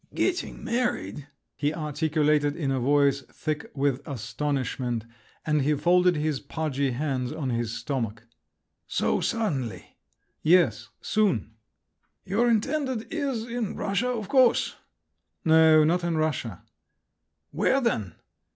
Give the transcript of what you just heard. "Getting married!" he articulated in a voice thick with astonishment, and he folded his podgy hands on his stomach. "So suddenly?" "Yes … soon." "Your intended is in Russia, of course?" "No, not in Russia." "Where then?"